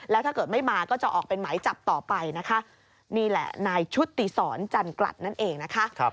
แล้วถ้าเกิดไม่มาก็จะออกเป็นหมายจับต่อไปนะคะนี่แหละนายชุติศรจันกลัดนั่นเองนะคะ